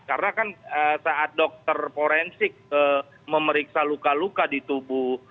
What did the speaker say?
karena kan saat dokter forensik memeriksa luka luka di tubuh